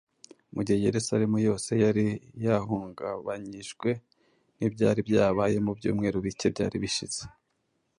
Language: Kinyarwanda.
Mu gihe Yerusalemu yose yari yahungabanyijwe n’ibyari byabaye mu byumweru bike byari bishize,